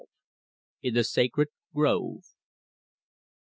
IN THE SACRED GROVE.